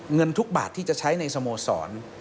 เงินทุกบาทที่จะใช้ในสโมสร